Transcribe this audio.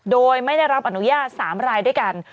โดยไม่ได้รับอนุญาต๓รายด้วยกัน